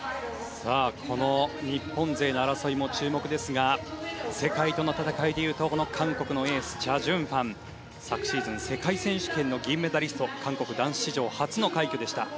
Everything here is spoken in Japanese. この日本勢の争いも注目ですが世界との戦いで言うとこの韓国のエースチャ・ジュンファン昨シーズン世界選手権の銀メダリスト韓国男子史上初の快挙でした。